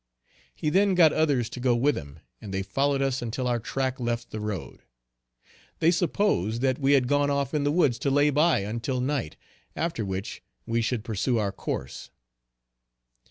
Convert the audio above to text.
He then got others to go with him, and they followed us until our track left the road. They supposed that we had gone off in the woods to lay by until night, after which we should pursue our course.